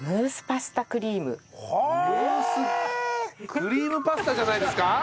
クリームパスタじゃないですか？